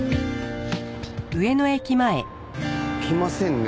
来ませんね